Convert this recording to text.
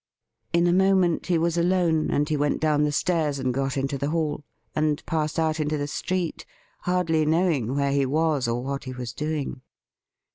In a moment he was alone, and he went down the stairs and got into the hall, and passed out into the street, hardly knowing where he was or what he was doing.